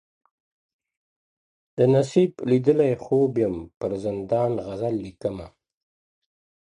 د نصیب لیدلی خوب یم- پر زندان غزل لیکمه-